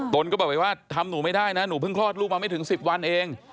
ตนก็บอกไปว่าทำหนูไม่ได้นะหนูเพิ่งคลอดลูกมาไม่ถึง๑๐วันเอง